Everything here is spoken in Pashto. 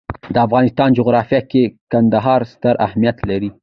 د افغانستان جغرافیه کې کندهار ستر اهمیت لري.